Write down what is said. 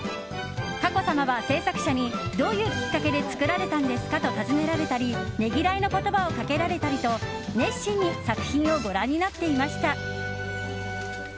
佳子さまは、制作者にどういうきっかけで作られたんですかと尋ねたりねぎらいの言葉をかけられたりと熱心に作品をご覧になっていました。